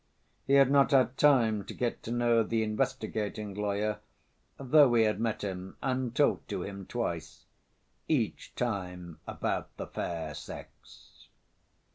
He had not had time to get to know the investigating lawyer, though he had met him and talked to him twice, each time about the fair sex.